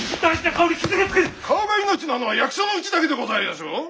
顔が命なのは役者のうちだけでございやしょう？